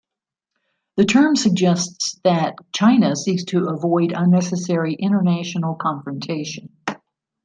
The term suggests that China seeks to avoid unnecessary international confrontation.